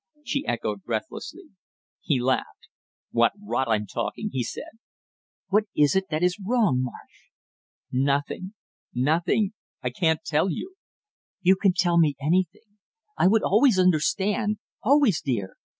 she echoed breathlessly. He laughed. "What rot I'm talking!" he said. "What is it that is wrong, Marsh?" "Nothing nothing I can't tell you " "You can tell me anything, I would always understand always, dear.